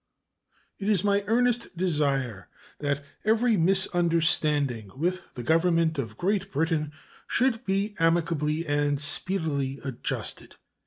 It is my earnest desire that every misunderstanding with the Government of Great Britain should be amicably and speedily adjusted.